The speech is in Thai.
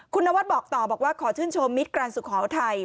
คุณนวัดบอกต่อบอกว่าขอชื่นชมมิสกรานด์สุของไทย